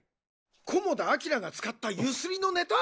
菰田明が使ったゆすりのネタ！？